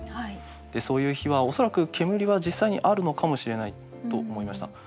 でそういう日は恐らく煙は実際にあるのかもしれないと思いました。